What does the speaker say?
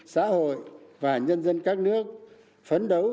xã hội và nhân dân các nước phấn đấu